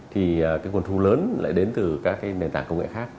thì cái nguồn thu lớn lại đến từ các cái nền tảng công nghệ khác